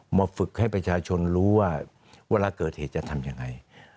มาฝึกให้ประชาชนรู้ว่าเวลาเกิดเหตุจะทำยังไง